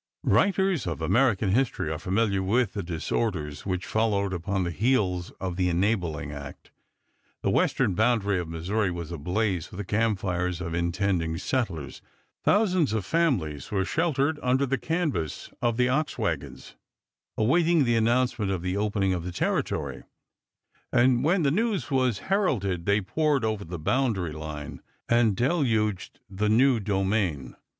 Writers of American history are familiar with the disorders which followed upon the heels of the Enabling Act. The western boundary of Missouri was ablaze with the camp fires of intending settlers. Thousands of families were sheltered under the canvas of the ox wagons, awaiting the announcement of the opening of the Territory; and when the news was heralded they poured over the boundary line and deluged the new domain.